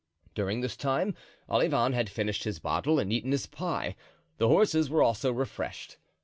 During this time Olivain had finished his bottle and eaten his pie; the horses were also refreshed.